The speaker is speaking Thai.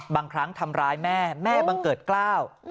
บางครั้งทำร้ายแม่แม่บังเกิดกล้าว